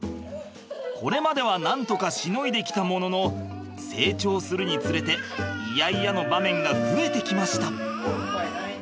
これまではなんとかしのいできたものの成長するにつれてイヤイヤの場面が増えてきました。